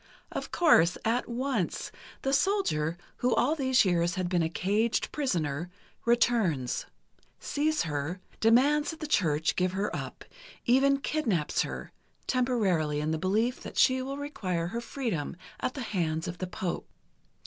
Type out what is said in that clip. Of course, at once, the soldier, who all these years has been a caged prisoner, returns, sees her, demands that the Church give her up, even kidnaps her, temporarily in the belief that she will require her freedom at the hands of the Pope.